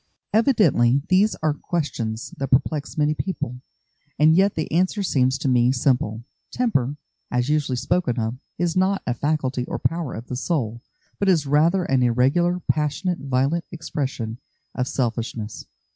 Evidently these are questions that perplex many people, and yet the answer seems to me simple. Temper, as usually spoken of, is not a faculty or power of the soul, but is rather an irregular, passionate, violent expression of selfishness.